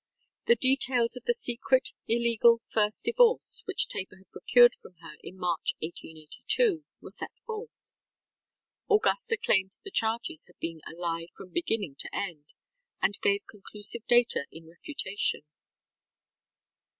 The details of the secret, illegal, first divorce which Tabor had procured from her in March, 1882, were set forth. Augusta claimed the charges had been a lie from beginning to end and gave conclusive data in refutation.